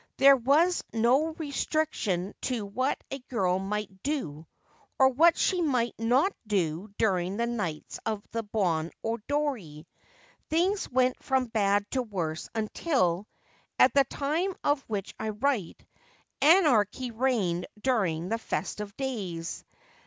There was no restriction to what a girl might do or what she might not do during the nights of the c Bon Odori.' Things went from bad to worse until, at the time of which I write, anarchy reigned during the festive days.